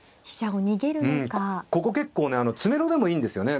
うんここ結構ね詰めろでもいいんですよね